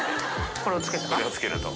これをつけると。